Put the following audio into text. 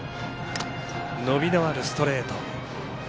伸びのあるストレート。